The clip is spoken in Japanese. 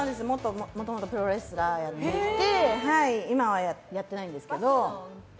もともとプロレスラーをやっていて今はやってないんですけど。